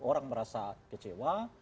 orang merasa kecewa